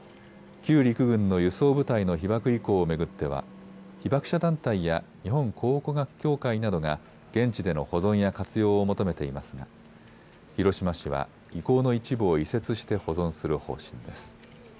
旧陸軍の輸送部隊の被爆遺構を巡っては被爆者団体や日本考古学協会などが現地での保存や活用を求めていますが広島市は遺構の一部を移設して保存する方針です。